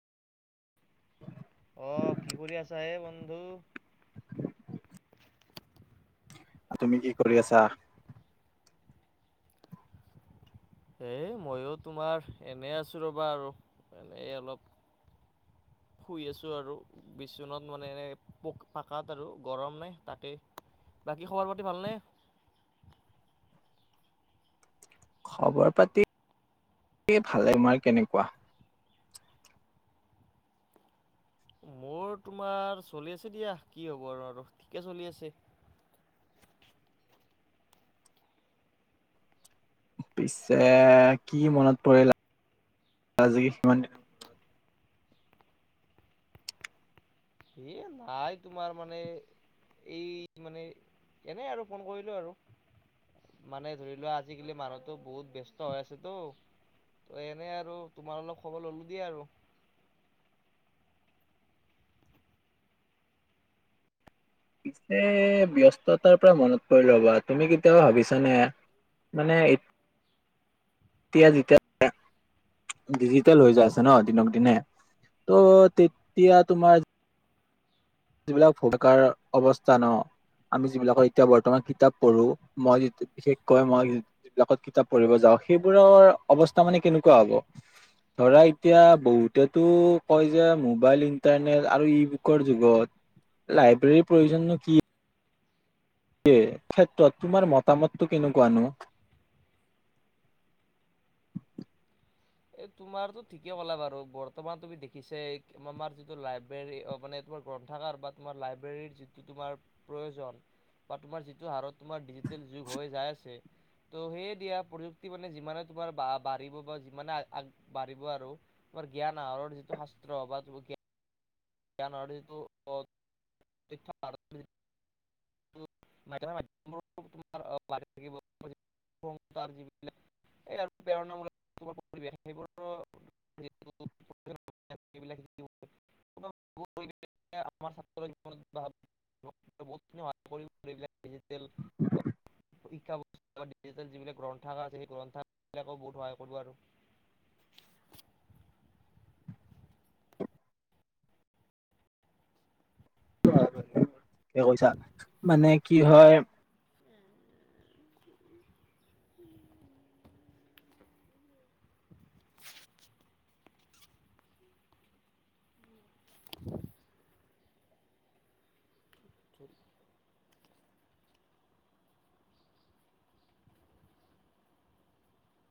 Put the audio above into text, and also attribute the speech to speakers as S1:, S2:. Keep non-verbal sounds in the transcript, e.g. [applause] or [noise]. S1: আহ কি কৰি আছা এ বন্ধু।
S2: তুমি কি কৰি আছা।
S1: এ মই তোমাৰ এনে আছো ৰবা আৰু এনেই অলপ।
S2: [unintelligible]
S1: শুই আছোঁ আৰু, বিচনাত মানে, এনে পোক পাকাত আৰু গৰম নে তাকেই। বাকী খবৰ পাতি ভালনে
S2: [unintelligible] খবৰ পাতি ভালে। তোমাৰ কেনেকুৱা?
S1: মোৰ
S2: [unintelligible]
S1: তোমাৰ চলি আছে দিয়া। কি হবৰ আৰু ঠিকে চলি আছে।
S2: পিছে কি মনত পৰিল আজি সিমান দিনৰ
S1: এ নাই তোমাৰ মানে, এই মানে এনেই আৰু ফোন কৰিলো আৰু। মানে ধৰি লোৱা আজিকালি মানুহতো বহুত ব্যস্ত হৈ আছেতো। তো এনেই আৰু তোমাৰ অলপ খবৰ ললো দিয়া আৰু।
S2: [inaudible] পিছে ব্যস্ততাৰ পৰা মনত পৰি ৰ'বা তুমি কেতিয়াবা ভাবিছানে মানে, এতিয়া, যেতিয়া ডিজিটেল হৈ যাই আছে ন দিনক দিনে ত' তেতিয়া তোমাৰ যিবিলাক ভকাৰ অৱস্থা ন আমি যিবিলাকত এতিয়া বৰ্তমান কিতাপ পঢ়ো। মই বিশেষকৈ মই যিবিলাকত কিতাপ পঢ়িব যাওঁ, সেইবোৰৰ অৱস্থা মানে কেনেকুৱা হব? ধৰা এতিয়া বহুতেতো কয় যে মোবাইল ইন্টাৰনেট আৰু ই-বুকৰ যুগত লাইব্ৰেৰীৰ প্ৰয়োজন কি? ক্ষেত্ৰত তোমাৰ মতামতটো কেনেকুৱানো? [inaudible]
S1: এ তোমাৰ তো ঠিকে কলা বাৰু। বৰ্তমান তুমি দেখিছাই আমাৰ যিটো লাইব্ৰেৰী মানে, তোমাৰ গ্ৰন্থাৰ বা তোমাৰ লাইব্ৰেৰীৰ যিটো তোমাৰ প্ৰয়োজন বা তোমাৰ যিটো হাৰত তোমাৰ ডিজিটেল যুগ হৈ যাই আছে ত' সেই দিয়া প্ৰযুক্তি মানে যিমানে তোমাৰ বা বাঢ়িব বা যিমানে আগবাঢ়িব আৰু তোমাৰ জ্ঞান আহৰণৰ যিটো শাস্ত্ৰ বা জ্ঞান। জ্ঞানটো [unintelligible] [unintelligible] তাৰ যিলাক এই আৰু প্ৰেৰণামূলক পৰিৱেশ সেইবোৰ
S2: [inaudible]
S1: [unintelligible] [unintelligible] [unintelligible] যিবিলাক গ্ৰন্থ আছে সেই গ্ৰন্থ বিলাকে বহুত সহায় কৰিব আৰু।
S2: [inaudible] কৈছা মানে কি হয়।
S1: [inaudible] [inaudible]